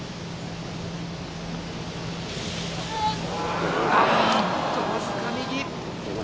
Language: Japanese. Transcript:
あーっと、僅かに右。